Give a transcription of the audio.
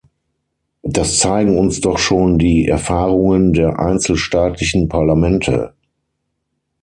Das zeigen uns doch schon die Erfahrungen der einzelstaatlichen Parlamente.